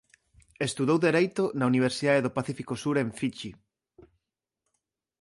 Estudou Dereito na Universidade do Pacífico Sur en Fidxi.